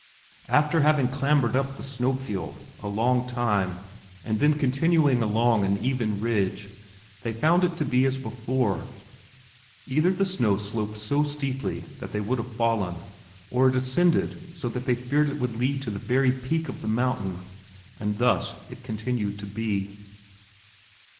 After having clambered up the snowfield a long time and then continuing along an even ridge, they found it to be as before: either the snow sloped so steeply that they would have fallen, or it ascended so that they feared it would lead to the very peak of the mountain. And thus it continued to be.